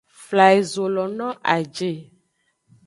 Fla ezo lo no a je.